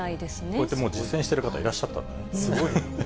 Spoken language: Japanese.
こうやってもう実践してる方、いらっしゃったんですね。